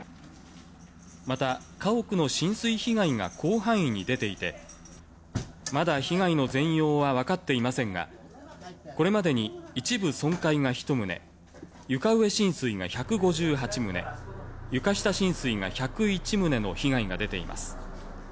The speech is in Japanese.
また、家屋の浸水被害が広範囲に出ていて、まだ被害の全容はわかっていませんが、これまでに一部損壊が１棟、床上浸水が１５８棟、床下浸水が１０１棟の被害が出ています。